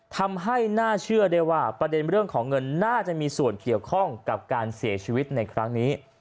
ทำให้น่าเชื่อได้ว่าประเด็นเรื่องของเงินน่าจะมีส่วนเกี่ยวข้องกับการเสียชีวิตในครั้งนี้